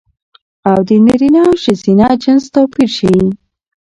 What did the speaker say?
او د نرينه او ښځينه جنس توپير ښيي